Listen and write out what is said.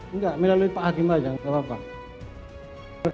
enggak melalui pak hakim aja nggak apa apa